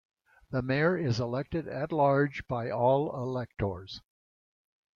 The mayor is elected at large by all electors.